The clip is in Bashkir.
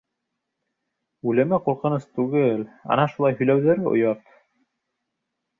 Үлеме ҡурҡыныс түгел, ана шулай һөйләүҙәре оят!